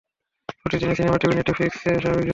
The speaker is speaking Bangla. ছুটির দিনে, সিনেমা, টিভি, নেটফ্লিক্স- স্বাভাবিক জীবন।